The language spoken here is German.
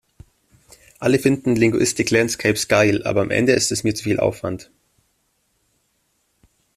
Alle finden Linguistic Landscapes geil, aber am Ende ist es mir zu viel Aufwand.